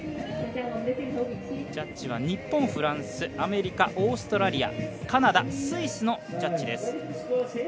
ジャッジは日本、フランス、アメリカオーストラリア、カナダスイスのジャッジです。